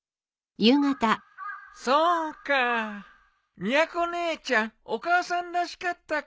そうかあみやこ姉ちゃんお母さんらしかったか。